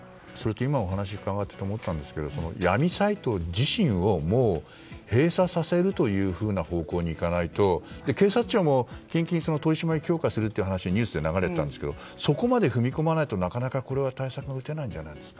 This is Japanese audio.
お話を伺っていて思ったんですが闇サイト自身を閉鎖させるというような方向にいかないと警察庁も取り締まりを強化するとニュースで流れていたんですがそこまで踏み込まないと対策が打てないんじゃないですか。